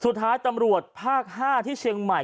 สุดท้ายตำรวจภาค๕ที่เชียงใหม่